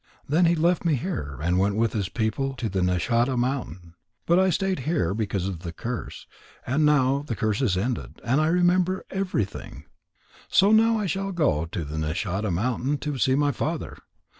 Then he left me here, and went with his people to the Nishadha mountain. But I stayed here because of the curse. And now the curse is ended, and I remember everything. So now I shall go to the Nishadha mountain to see my father.